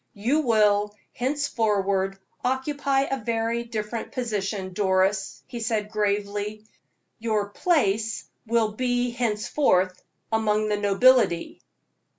"You will, henceforward, occupy a very different position, Doris," he said, gravely; "your place will be henceforth among the nobility."